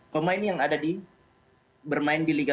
pemain yang ada di bermain di liga satu